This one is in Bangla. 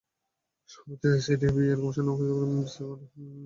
সম্প্রতি I C D D R বি-এর গবেষণা কার্যক্রমের বিস্তার আরও দীর্ঘায়িত হয়েছে।